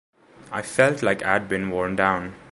I felt like I'd been worn down.